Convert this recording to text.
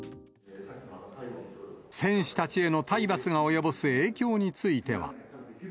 選手たちへの体罰が及ぼす影響については。